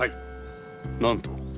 何と？